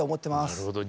なるほど。